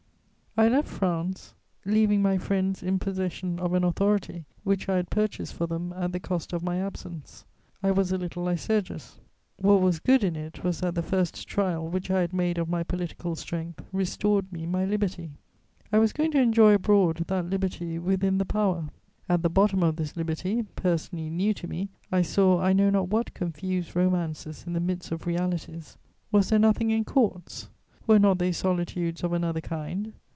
I left France, leaving my friends in possession of an authority which I had purchased for them at the cost of my absence: I was a little Lycurgus. What was good in it was that the first trial which I had made of my political strength restored me my liberty; I was going to enjoy abroad that liberty within the power. At the bottom of this liberty, personally new to me, I saw I know not what confused romances in the midst of realities: was there nothing in Courts? Were not they solitudes of another kind?